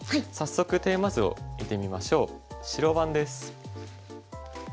早速テーマ図を見てみましょう白番です。